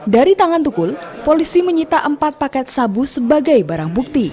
dari tangan tukul polisi menyita empat paket sabu sebagai barang bukti